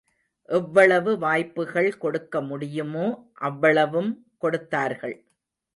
எவ்வளவு வாய்ப்புகள் கொடுக்க முடியுமோ அவ்வளவும் கொடுத்தார்கள்.